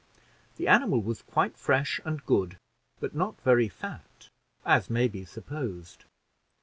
The animal was quite fresh and good, but not very fat, as may be supposed.